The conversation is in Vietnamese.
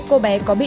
con bảy tuổi ạ